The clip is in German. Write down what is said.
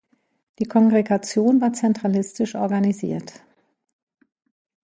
Die Kongregation war zentralistisch organisiert.